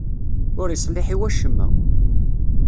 Ur iṣliḥ i wacemma.